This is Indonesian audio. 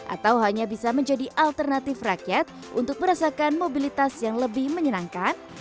atau hanya bisa menjadi alternatif rakyat untuk merasakan mobilitas yang lebih menyenangkan